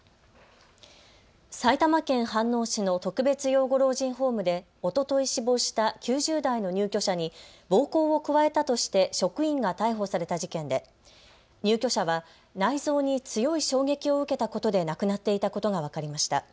埼玉県飯能市の特別養護老人ホームでおととい死亡した９０代の入居者に暴行を加えたとして職員が逮捕された事件で入居者は内臓に強い衝撃を受けたことで亡くなっていたことが分かりました。